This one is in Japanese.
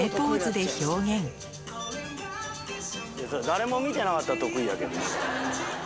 誰も見てなかったら得意やけど。